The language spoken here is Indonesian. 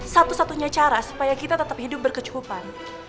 satu satunya cara supaya kita tetap hidup berkecukupan